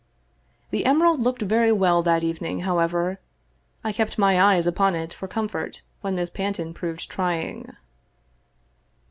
The emerald looked very well that evening, however. I kept my eyes upon it for comfort when Miss Panton proved trying.